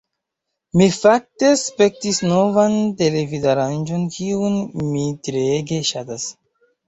Mi, fakte, spektis novan televidaranĝon kiun mi treege ŝatas